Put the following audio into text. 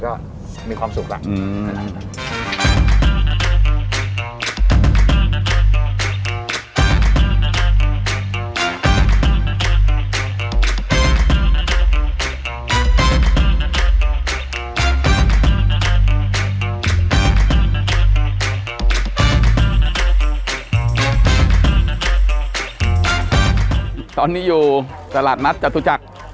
เนี้ยครับตอนนี้อยู่สระรัสนะจตุจักร